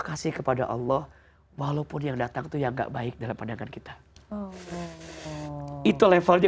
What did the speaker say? kasih kepada allah walaupun yang datang tuh yang enggak baik dalam pandangan kita itu levelnya